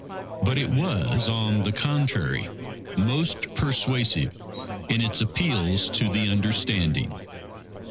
But it was, on the contrary, most persuasive in its appeals to the understanding.